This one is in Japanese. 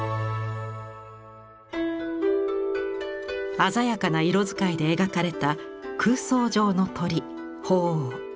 鮮やかな色使いで描かれた空想上の鳥鳳凰。